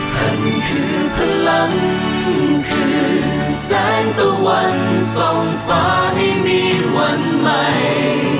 นี่คือพลังคือแสนต่อวันส่งฟ้าให้มีวันใหม่